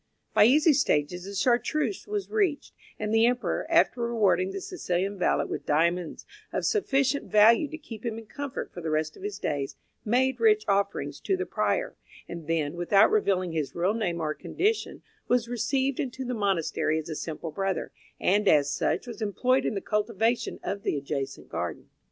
By easy stages the Chartreuse was reached, and the Emperor, after rewarding the Sicilian valet with diamonds of sufficient value to keep him in comfort for the rest of his days, made rich offerings to the Prior, and then, without revealing his real name or condition, was received into the monastery as a simple brother, and as such was employed in the cultivation of the adjacent garden.